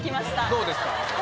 どうですか？